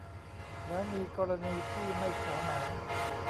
แล้วมีกรณีที่ไม่ขอไหม ?